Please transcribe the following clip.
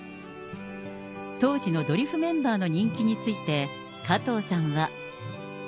当時のドリフメンバーの人気について、加藤さんは。